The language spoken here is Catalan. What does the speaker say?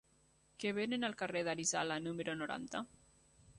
Què venen al carrer d'Arizala número noranta?